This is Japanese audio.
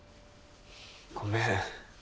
ごめん。